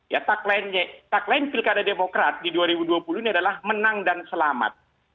ya tak lain pilkada demokrat di dua ribu dua puluh ini adalah menang dan selamat